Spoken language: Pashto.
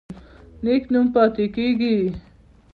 نیک نوم پاتې کیږي